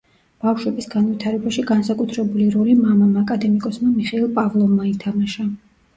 ბავშვების განვითარებაში განსაკუთრებული როლი მამამ, აკადემიკოსმა მიხეილ პავლოვმა ითამაშა.